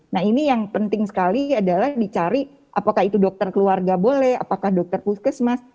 nah ini yang penting sekali adalah dicari apakah itu dokter keluarga boleh apakah dokter puskesmas